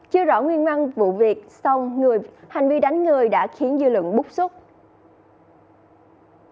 chưa rõ nguyên măng vụ việc xong hành vi đánh người đã khiến dư luận bút xuất